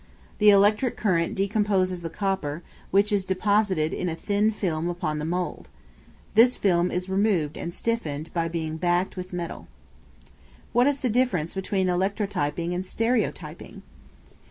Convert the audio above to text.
The electric current decomposes the copper, which is deposited in a thin film upon the mould. This film is removed and stiffened by being backed with metal. What is the difference between Electrotyping and Stereotyping?